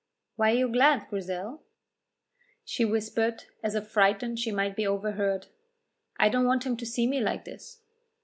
"Why are you glad, Grizel?" She whispered, as if frightened she might be overheard: "I don't want him to see me like this."